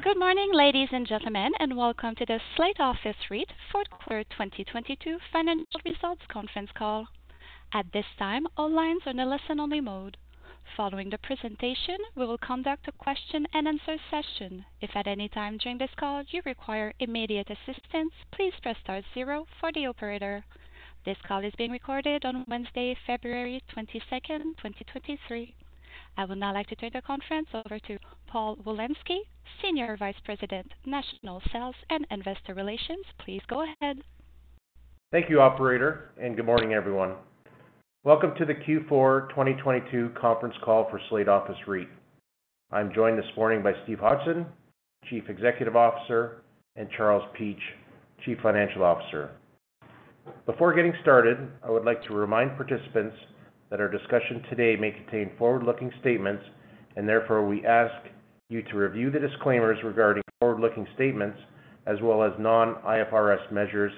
Good morning, ladies and gentlemen, and welcome to the Slate Office REIT Fourth Quarter 2022 Financial Results Conference Call. At this time, all lines are in a listen-only mode. Following the presentation, we will conduct a question-and-answer session. If at any time during this call you require immediate assistance, please press star zero for the operator. This call is being recorded on Wednesday, February 22nd, 2023. I would now like to turn the conference over to Paul Wolanski, Senior Vice President, National Sales and Investor Relations. Please go ahead. Thank you, Operator. Good morning, everyone. Welcome to the Q4 2022 conference call for Slate Office REIT. I'm joined this morning by Steve Hodgson, Chief Executive Officer, and Charles Peach, Chief Financial Officer. Before getting started, I would like to remind participants that our discussion today may contain forward-looking statements. Therefore we ask you to review the disclaimers regarding forward-looking statements as well as non-IFRS measures,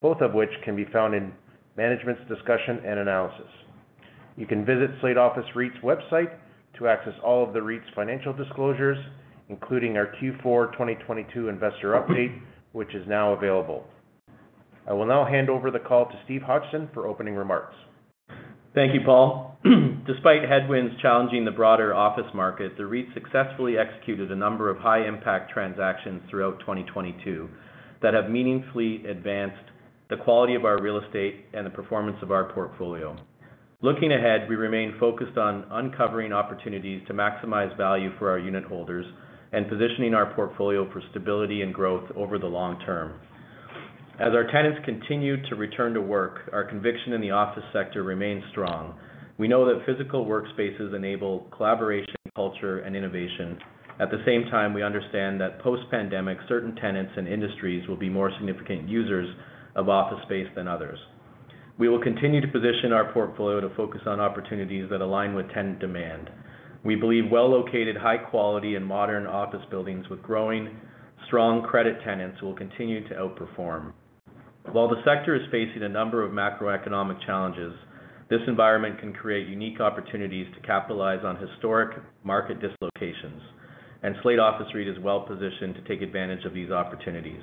both of which can be found in Management's Discussion and Analysis. You can visit Slate Office REIT's website to access all of the REIT's financial disclosures, including our Q4 2022 investor update, which is now available. I will now hand over the call to Steve Hodgson for opening remarks. Thank you, Paul. Despite headwinds challenging the broader office market, the REIT successfully executed a number of high impact transactions throughout 2022 that have meaningfully advanced the quality of our real estate and the performance of our portfolio. Looking ahead, we remain focused on uncovering opportunities to maximize value for our unit holders and positioning our portfolio for stability and growth over the long term. As our tenants continue to return to work, our conviction in the office sector remains strong. We know that physical workspaces enable collaboration, culture, and innovation. At the same time, we understand that post-pandemic, certain tenants and industries will be more significant users of office space than others. We will continue to position our portfolio to focus on opportunities that align with tenant demand. We believe well-located, high quality and modern office buildings with growing strong credit tenants will continue to outperform. While the sector is facing a number of macroeconomic challenges, this environment can create unique opportunities to capitalize on historic market dislocations, and Slate Office REIT is well positioned to take advantage of these opportunities.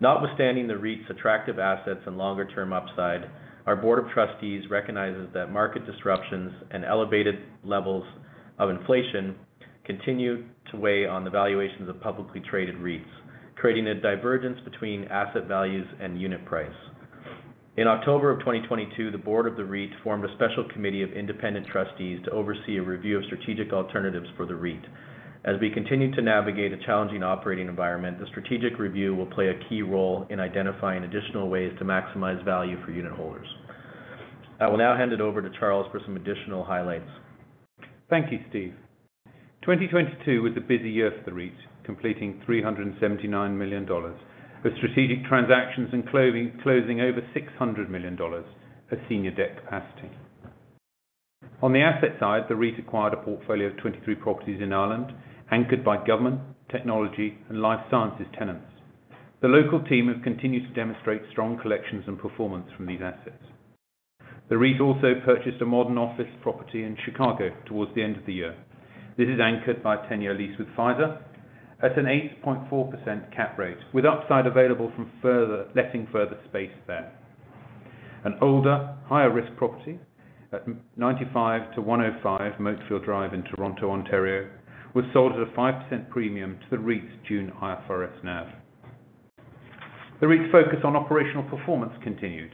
Notwithstanding the REIT's attractive assets and longer term upside, our board of trustees recognizes that market disruptions and elevated levels of inflation continue to weigh on the valuations of publicly traded REITs, creating a divergence between asset values and unit price. In October of 2022, the board of the REIT formed a special committee of independent trustees to oversee a review of strategic alternatives for the REIT. As we continue to navigate a challenging operating environment, the strategic review will play a key role in identifying additional ways to maximize value for unit holders. I will now hand it over to Charles for some additional highlights. Thank you, Steve. 2022 was a busy year for the REIT, completing 379 million dollars with strategic transactions and closing over 600 million dollars for senior debt capacity. On the asset side, the REIT acquired a portfolio of 23 properties in Ireland, anchored by government, technology, and life sciences tenants. The local team have continued to demonstrate strong collections and performance from these assets. The REIT also purchased a modern office property in Chicago towards the end of the year. This is anchored by a 10-year lease with Pfizer at an 8.4% cap rate, with upside available from further letting further space there. An older, higher risk property at 95 to 105 Moatfield Drive in Toronto, Ontario, was sold at a 5% premium to the REIT's June IFRS NAV. The REIT's focus on operational performance continued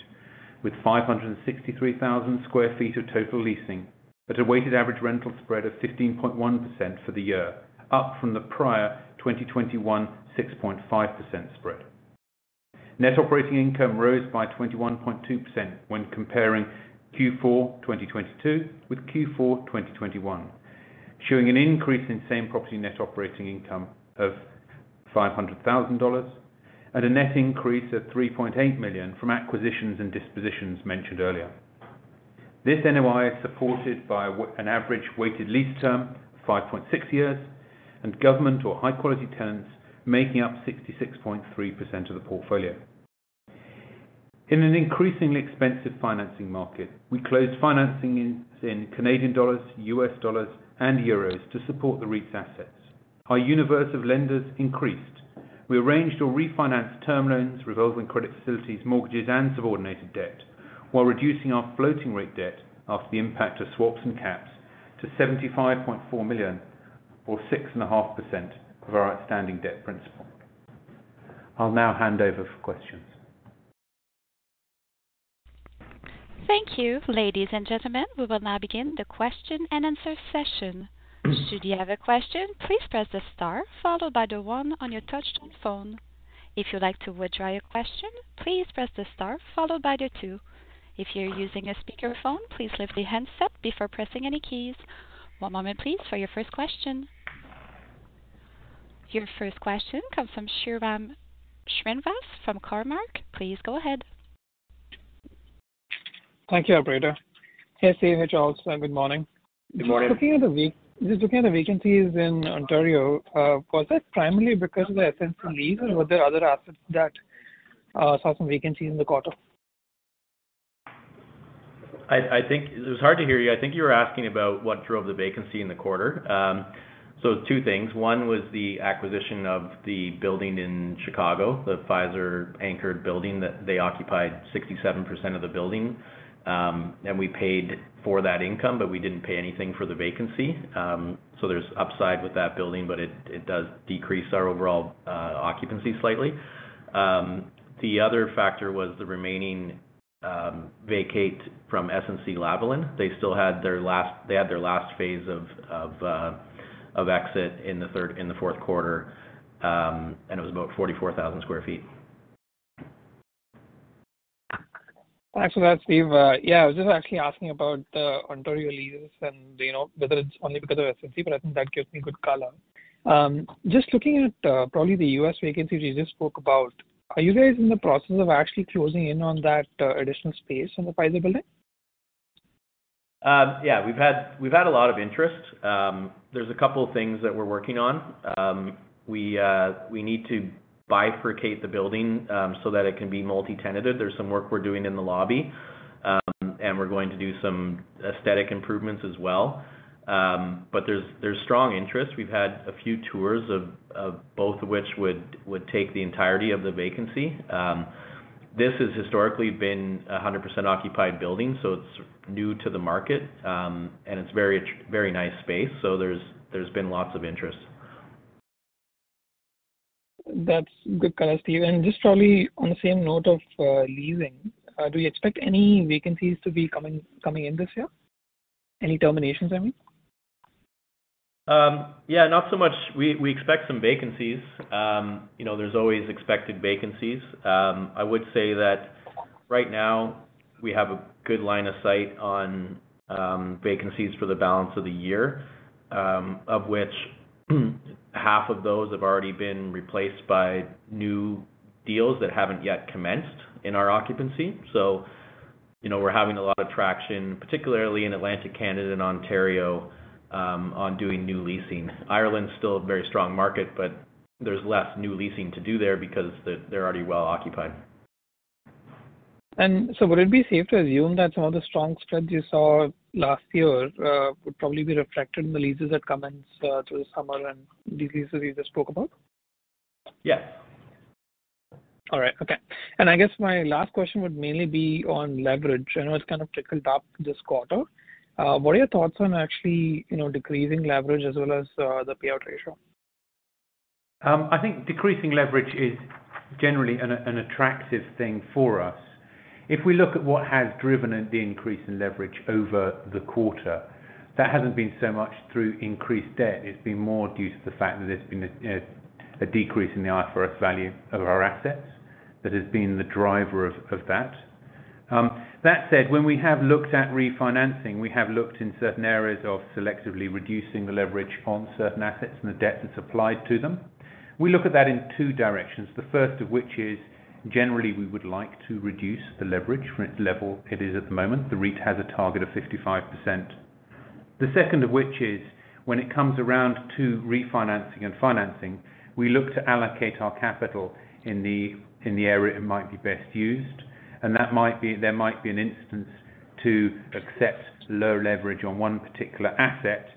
with 563,000 sq ft of total leasing at a weighted average rental spread of 15.1% for the year, up from the prior 2021 6.5% spread. Net operating income rose by 21.2% when comparing Q4 2022 with Q4 2021, showing an increase in same property net operating income of 500,000 dollars and a net increase of 3.8 million from acquisitions and dispositions mentioned earlier. This NOI is supported by an average weighted lease term of 5.6 years and government or high quality tenants making up 66.3% of the portfolio. In an increasingly expensive financing market, we closed financing in Canadian dollars, U.S. dollars, and euros to support the REIT's assets. Our universe of lenders increased. We arranged or refinanced term loans, revolving credit facilities, mortgages, and subordinated debt while reducing our floating rate debt after the impact of swaps and caps to 75.4 million or 6.5% of our outstanding debt principal. I'll now hand over for questions. Thank you. Ladies and gentlemen, we will now begin the question-and-answer session. Should you have a question, please press the star followed by the one on your touchtone phone. If you'd like to withdraw your question, please press the star followed by the two. If you're using a speakerphone, please lift the handset before pressing any keys. One moment please for your first question. Your first question comes from Sairam Srinivas from Cormark. Please go ahead. Thank you, operator. Hey, Steve. Hey, Charles. Good morning. Good morning. Just looking at the vacancies in Ontario, was that primarily because of the essential lease, or were there other assets that saw some vacancies in the quarter? I think it was hard to hear you. I think you were asking about what drove the vacancy in the quarter. Two things. One was the acquisition of the building in Chicago, the Pfizer anchored building, that they occupied 67% of the building. We paid for that income, but we didn't pay anything for the vacancy. There's upside with that building, but it does decrease our overall occupancy slightly. The other factor was the remaining vacate from SNC-Lavalin. They had their last phase of exit in the fourth quarter, and it was about 44,000 sq ft. Thanks for that, Steve. Yeah, I was just actually asking about the Ontario leases and, you know, whether it's only because of SNC, but I think that gives me good color. Just looking at, probably the U.S. vacancy you just spoke about, are you guys in the process of actually closing in on that additional space in the Pfizer building? Yeah. We've had a lot of interest. There's a couple of things that we're working on. We need to bifurcate the building so that it can be multi-tenanted. There's some work we're doing in the lobby. We're going to do some aesthetic improvements as well. There's strong interest. We've had a few tours of both of which would take the entirety of the vacancy. This has historically been a 100% occupied building. It's new to the market, and it's very nice space. There's been lots of interest. That's good color, Steve. Just probably on the same note of leasing, do you expect any vacancies to be coming in this year? Any terminations, I mean. Yeah, not so much. We expect some vacancies. You know, there's always expected vacancies. I would say that right now we have a good line of sight on vacancies for the balance of the year, of which half of those have already been replaced by new deals that haven't yet commenced in our occupancy. You know, we're having a lot of traction, particularly in Atlantic Canada and Ontario, on doing new leasing. Ireland's still a very strong market, but there's less new leasing to do there because they're already well occupied. Would it be safe to assume that some of the strong spreads you saw last year, would probably be reflected in the leases that commence, through the summer and these leases you just spoke about? Yes. All right. Okay. I guess my last question would mainly be on leverage. I know it's kind of trickled up this quarter. What are your thoughts on actually, you know, decreasing leverage as well as the payout ratio? I think decreasing leverage is generally an attractive thing for us. If we look at what has driven the increase in leverage over the quarter, that hasn't been so much through increased debt. It's been more due to the fact that there's been a decrease in the IFRS value of our assets. That has been the driver of that. That said, when we have looked at refinancing, we have looked in certain areas of selectively reducing the leverage on certain assets and the debt that's applied to them. We look at that in two directions, the first of which is generally we would like to reduce the leverage for its level it is at the moment. The REIT has a target of 55%. The second of which is when it comes around to refinancing and financing, we look to allocate our capital in the area it might be best used, and there might be an instance to accept low leverage on one particular asset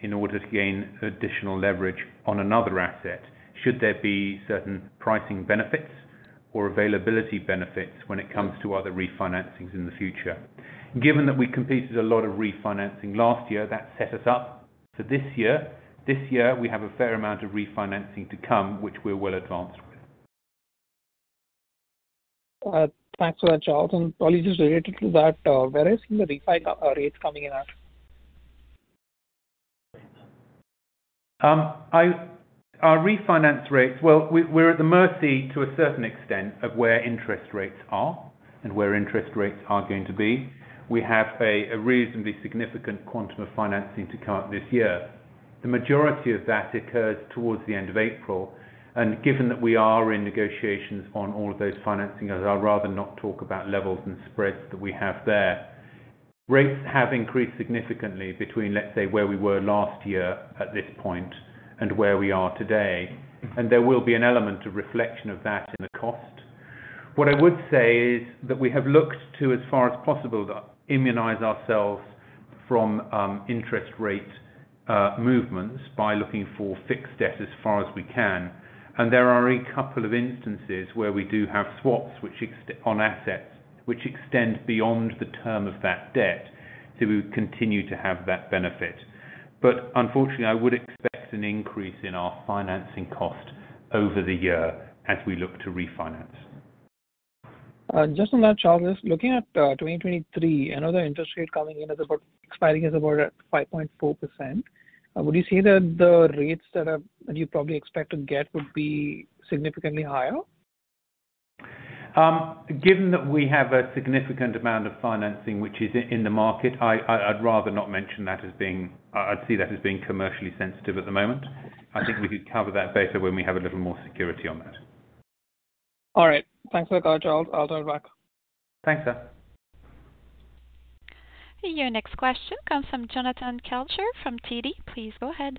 in order to gain additional leverage on another asset should there be certain pricing benefits or availability benefits when it comes to other refinancings in the future. Given that we completed a lot of refinancing last year, that set us up for this year. This year, we have a fair amount of refinancing to come, which we're well advanced with. Thanks for that, Charles. Probably just related to that, where are some of the refi rates coming in at? Our refinance rates, well, we're at the mercy to a certain extent of where interest rates are and where interest rates are going to be. We have a reasonably significant quantum of financing to come this year. The majority of that occurs towards the end of April, given that we are in negotiations on all of those financings, I'd rather not talk about levels and spreads that we have there. Rates have increased significantly between, let's say, where we were last year at this point and where we are today, there will be an element of reflection of that in the cost. What I would say is that we have looked to, as far as possible, to immunize ourselves from interest rate movements by looking for fixed debt as far as we can. There are a couple of instances where we do have swaps which on assets which extend beyond the term of that debt to continue to have that benefit. Unfortunately, I would expect an increase in our financing cost over the year as we look to refinance. Just on that, Charles, looking at 2023, another interest rate coming in expiring is about at 5.4%. Would you say that the rates that you probably expect to get would be significantly higher? Given that we have a significant amount of financing which is in the market, I'd rather not mention that as being. I'd see that as being commercially sensitive at the moment. I think we could cover that better when we have a little more security on that. All right. Thanks for that, Charles. I'll dial back. Thanks, sir. Your next question comes from Jonathan Kelcher from TD. Please go ahead.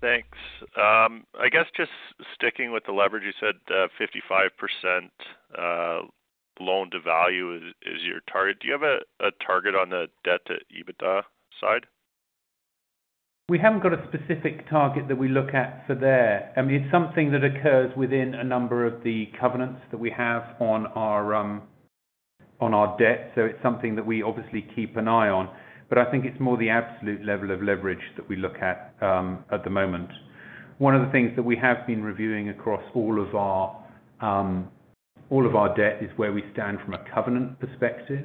Thanks. I guess just sticking with the leverage, you said, 55% loan to value is your target. Do you have a target on the debt to EBITDA side? We haven't got a specific target that we look at for there. I mean, it's something that occurs within a number of the covenants that we have on our, on our debt. It's something that we obviously keep an eye on. I think it's more the absolute level of leverage that we look at the moment. One of the things that we have been reviewing across all of our, all of our debt is where we stand from a covenant perspective.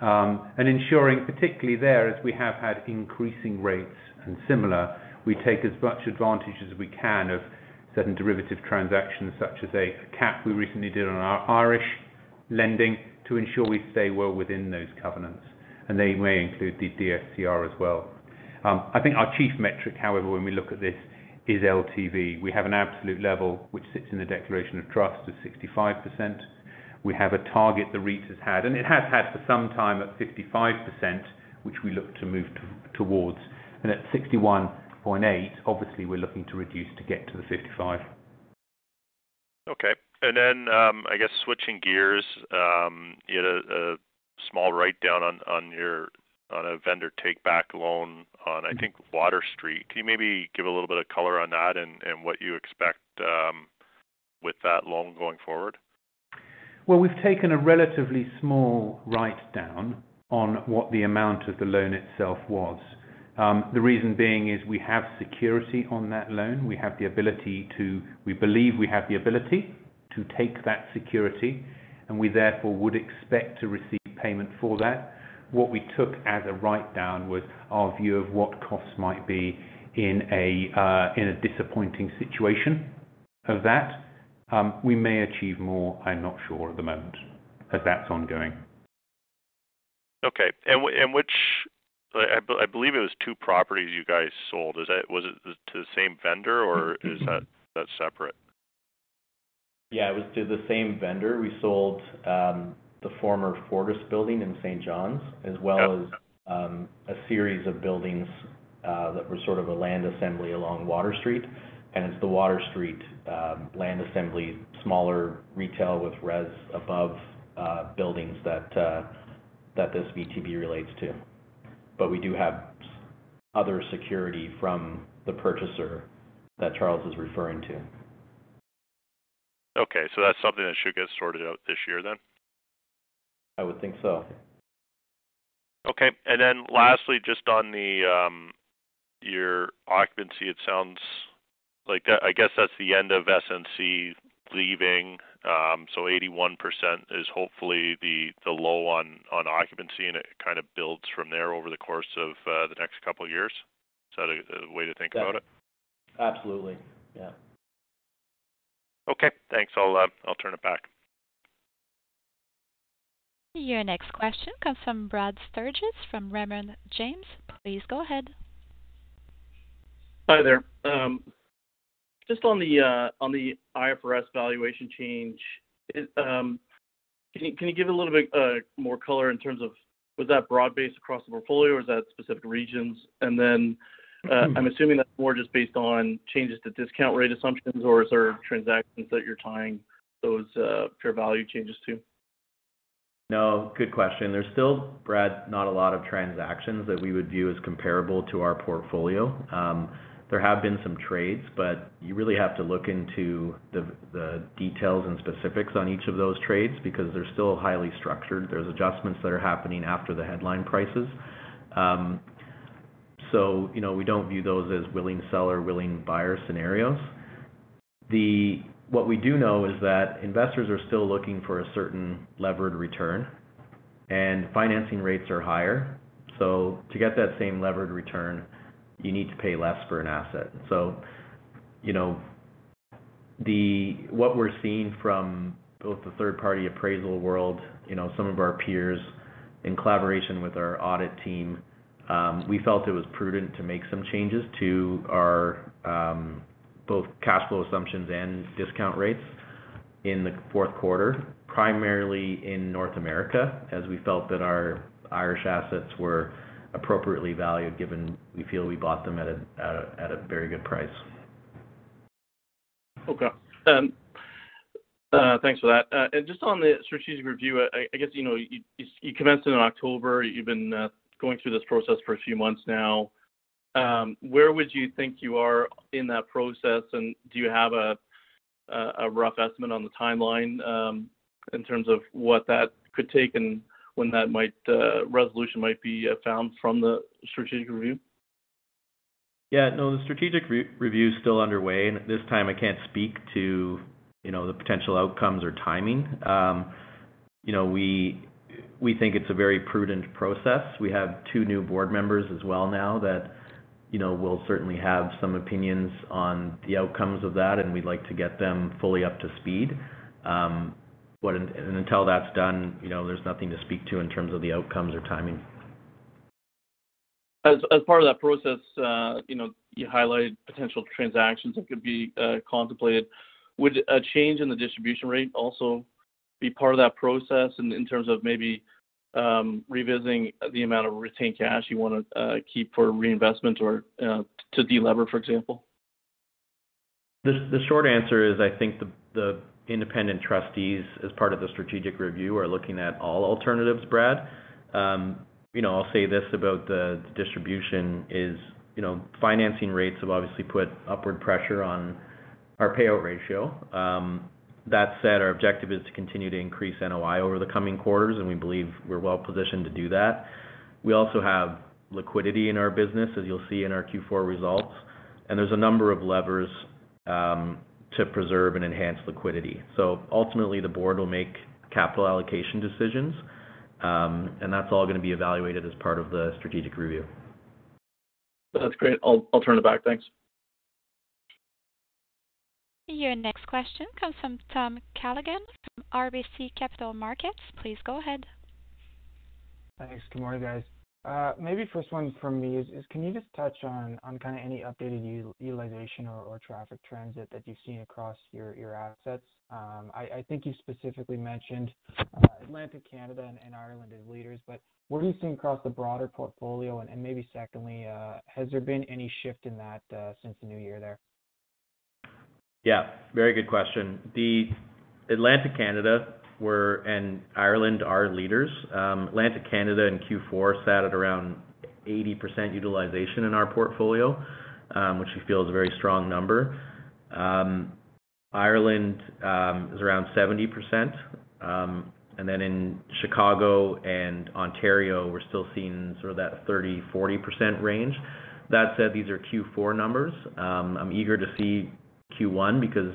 And ensuring particularly there, as we have had increasing rates and similar, we take as much advantage as we can of certain derivative transactions, such as a cap we recently did on our Irish lending to ensure we stay well within those covenants. They may include the DSCR as well. I think our chief metric, however, when we look at this is LTV. We have an absolute level which sits in the declaration of trust of 65%. We have a target the REIT has had, and it has had for some time at 55%, which we look to move towards. At 61.8%, obviously, we're looking to reduce to get to the 55%. Okay. I guess switching gears, you had a small write down on your, a vendor take back loan on, I think, Water Street. Can you maybe give a little bit of color on that and what you expect with that loan going forward? Well, we've taken a relatively small write-down on what the amount of the loan itself was. The reason being is we have security on that loan. We believe we have the ability to take that security, and we, therefore, would expect to receive payment for that. What we took as a write-down was our view of what costs might be in a disappointing situation of that. We may achieve more. I'm not sure at the moment as that's ongoing. Okay. I believe it was two properties you guys sold. Was it to the same vendor or is that separate? Yeah, it was to the same vendor. We sold, the former Fortis building in St. John's. Yeah A series of buildings that were sort of a land assembly along Water Street. It's the Water Street land assembly, smaller retail with res above, buildings that this VTB relates to. We do have other security from the purchaser that Charles is referring to. Okay. That's something that should get sorted out this year then? I would think so. Okay. Lastly, just on the your occupancy, it sounds like that, I guess, that's the end of SNC leaving. 81% is hopefully the low on occupancy, and it kind of builds from there over the course of the next couple of years. Is that the way to think about it? Definitely. Absolutely. Yeah. Okay. Thanks. I'll turn it back. Your next question comes from Brad Sturges from Raymond James. Please go ahead. Hi there. Just on the IFRS valuation change. Can you give a little bit more color in terms of was that broad-based across the portfolio or is that specific regions? I'm assuming that's more just based on changes to discount rate assumptions or is there transactions that you're tying those fair value changes to? No, good question. There's still, Brad, not a lot of transactions that we would view as comparable to our portfolio. There have been some trades. You really have to look into the details and specifics on each of those trades because they're still highly structured. There's adjustments that are happening after the headline prices. You know, we don't view those as willing seller, willing buyer scenarios. What we do know is that investors are still looking for a certain levered return. Financing rates are higher. To get that same levered return, you need to pay less for an asset. You know, what we're seeing from both the third party appraisal world, you know, some of our peers in collaboration with our audit team, we felt it was prudent to make some changes to our both cash flow assumptions and discount rates in the fourth quarter, primarily in North America, as we felt that our Irish assets were appropriately valued, given we feel we bought them at a very good price. Okay. Thanks for that. Just on the strategic review, I guess, you know, you commenced it in October. You've been going through this process for a few months now. Where would you think you are in that process? And do you have a rough estimate on the timeline in terms of what that could take and when that might resolution might be found from the strategic review? Yeah. No, the strategic re-review is still underway. At this time, I can't speak to, you know, the potential outcomes or timing. You know, we think it's a very prudent process. We have two new board members as well now that, you know, will certainly have some opinions on the outcomes of that, and we'd like to get them fully up to speed. Until that's done, you know, there's nothing to speak to in terms of the outcomes or timing. As part of that process, you know, you highlight potential transactions that could be contemplated. Would a change in the distribution rate also be part of that process in terms of maybe revisiting the amount of retained cash you wanna keep for reinvestment or to delever, for example? The short answer is, I think the independent trustees, as part of the strategic review, are looking at all alternatives, Brad. You know, I'll say this about the distribution is, you know, financing rates have obviously put upward pressure on our payout ratio. That said, our objective is to continue to increase NOI over the coming quarters, and we believe we're well-positioned to do that. We also have liquidity in our business, as you'll see in our Q4 results, and there's a number of levers to preserve and enhance liquidity. Ultimately, the board will make capital allocation decisions, and that's all gonna be evaluated as part of the strategic review. That's great. I'll turn it back. Thanks. Your next question comes from Tom Callaghan from RBC Capital Markets. Please go ahead. Thanks. Good morning, guys. Maybe first one from me is can you just touch on kinda any updated utilization or traffic trends that you've seen across your assets? I think you specifically mentioned Atlantic Canada and Ireland as leaders, but what are you seeing across the broader portfolio? Maybe secondly, has there been any shift in that since the new year there? Yeah. Very good question. Atlantic Canada and Ireland are leaders. Atlantic Canada in Q4 sat at around 80% utilization in our portfolio, which we feel is a very strong number. Ireland is around 70%. In Chicago and Ontario, we're still seeing sort of that 30%-40% range. That said, these are Q4 numbers. I'm eager to see Q1 because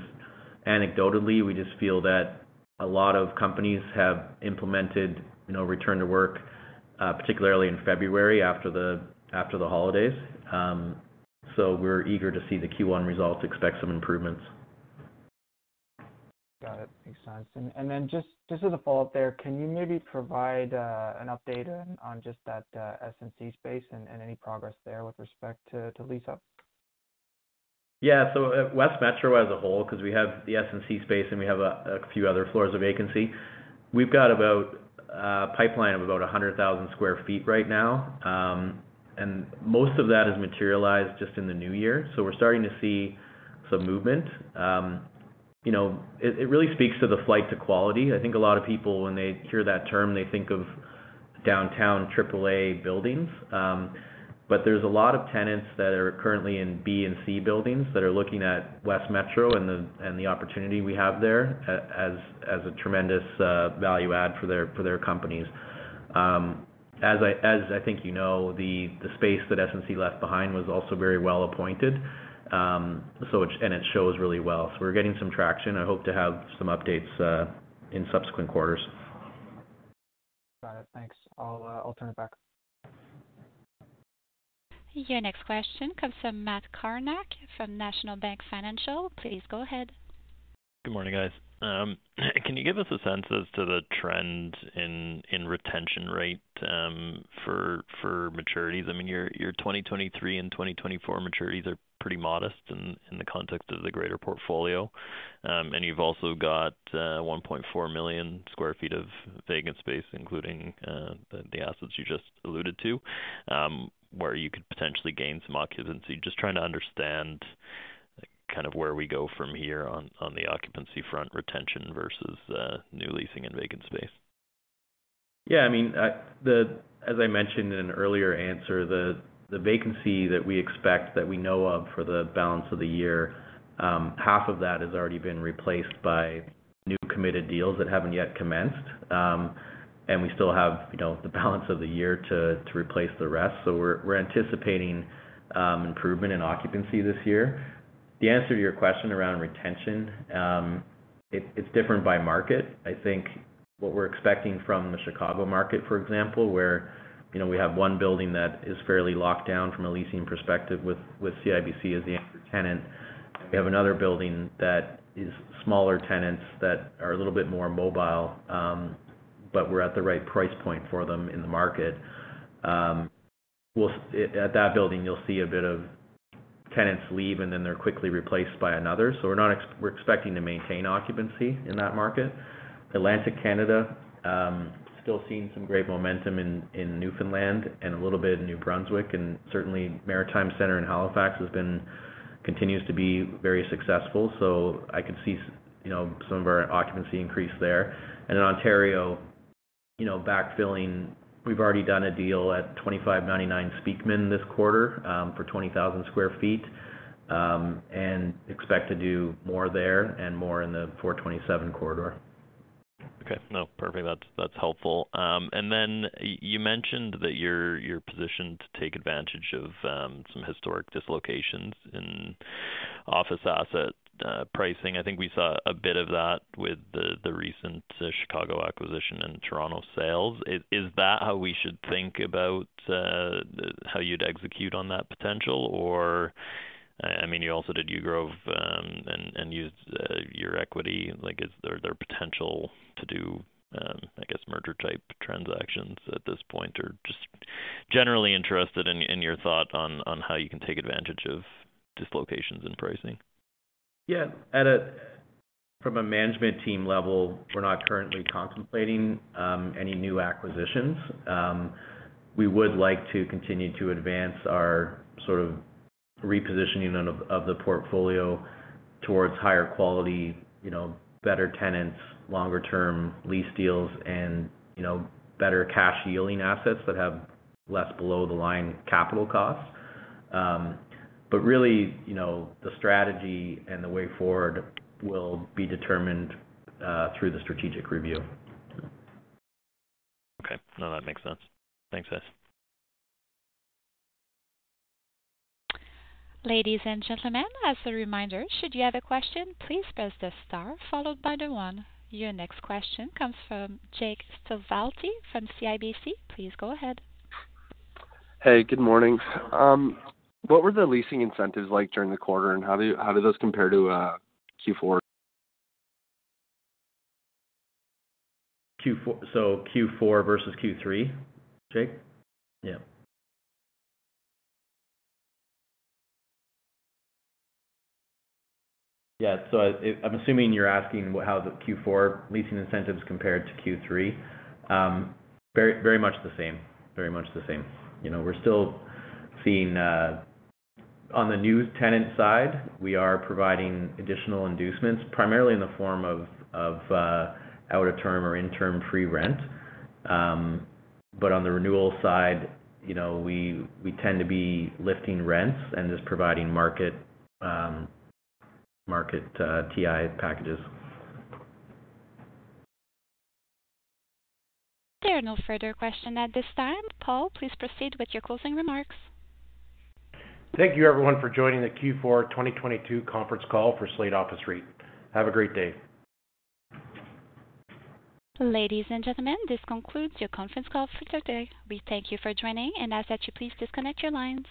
anecdotally, we just feel that a lot of companies have implemented, you know, return to work, particularly in February after the, after the holidays. We're eager to see the Q1 results, expect some improvements. Got it. Makes sense. Just as a follow-up there, can you maybe provide an update on just that S&C space and any progress there with respect to lease up? West Metro as a whole, 'cause we have the S&C space, and we have a few other floors of vacancy. We've got about a pipeline of about 100,000 sq ft right now, and most of that has materialized just in the new year. We're starting to see some movement. You know, it really speaks to the flight to quality. I think a lot of people, when they hear that term, they think of downtown AAA buildings. But there's a lot of tenants that are currently in B and C buildings that are looking at West Metro and the opportunity we have there as a tremendous value add for their companies. As I, as I think you know, the space that S&C left behind was also very well-appointed, and it shows really well. We're getting some traction. I hope to have some updates in subsequent quarters. Got it. Thanks. I'll turn it back. Your next question comes from Matt Kornack from National Bank Financial. Please go up ahead. Good morning, guys. Can you give us a sense as to the trend in retention rate for maturities? I mean, your 2023 and 2024 maturities are pretty modest in the context of the greater portfolio. And you've also got 1.4 million sq ft of vacant space, including the assets you just alluded to, where you could potentially gain some occupancy. Just trying to understand kind of where we go from here on the occupancy front, retention versus new leasing and vacant space? I mean, as I mentioned in an earlier answer, the vacancy that we expect, that we know of for the balance of the year, half of that has already been replaced by new committed deals that haven't yet commenced. We still have, you know, the balance of the year to replace the rest. We're anticipating improvement in occupancy this year. The answer to your question around retention, it's different by market. I think what we're expecting from the Chicago market, for example, where, you know, we have one building that is fairly locked down from a leasing perspective with CIBC as the anchor tenant. We have another building that is smaller tenants that are a little bit more mobile, but we're at the right price point for them in the market. At that building, you'll see a bit of tenants leave, and then they're quickly replaced by another. We're not expecting to maintain occupancy in that market. Atlantic Canada, still seeing some great momentum in Newfoundland and a little bit in New Brunswick. Certainly, Maritime Centre in Halifax continues to be very successful, so I could see you know, some of our occupancy increase there. In Ontario, you know, backfilling. We've already done a deal at 2599 Speakman this quarter for 20,000 sq ft and expect to do more there and more in the 427 Corridor. No, perfect. That's helpful. And then you mentioned that you're positioned to take advantage of some historic dislocations in office asset pricing. I think we saw a bit of that with the recent Chicago acquisition and Toronto sales. Is that how we should think about how you'd execute on that potential? I mean, you also did Yew Grove and used your equity. Like, is there potential to do, I guess, merger-type transactions at this point? Just generally interested in your thoughts on how you can take advantage of dislocations in pricing. Yeah. From a management team level, we're not currently contemplating any new acquisitions. We would like to continue to advance our sort of repositioning of the portfolio towards higher quality, you know, better tenants, longer term lease deals and, you know, better cash yielding assets that have less below the line capital costs. Really, you know, the strategy and the way forward will be determined through the strategic review. Okay. No, that makes sense. Thanks, guys. Ladies and gentlemen, as a reminder, should you have a question, please press the star followed by the one. Your next question comes from Jake Stovalti from CIBC. Please go ahead. Hey, good morning. What were the leasing incentives like during the quarter, and how do those compare to Q4? Q4 versus Q3, Jake? Yeah. Yeah. I'm assuming you're asking how the Q4 leasing incentives compared to Q3. Very much the same. Very much the same. You know, we're still seeing on the new tenant side, we are providing additional inducements, primarily in the form of out of term or interim free rent. On the renewal side, you know, we tend to be lifting rents and just providing market TI packages. There are no further question at this time. Paul, please proceed with your closing remarks. Thank you everyone for joining the Q4-2022 conference call for Slate Office REIT. Have a great day. Ladies and gentlemen, this concludes your conference call for today. We thank you for joining and ask that you please disconnect your lines.